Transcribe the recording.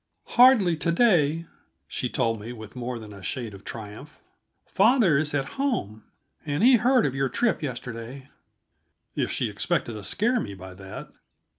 "Hardly to day," she told me, with more than a shade of triumph. "Father is at home, and he heard of your trip yesterday." If she expected to scare me by that!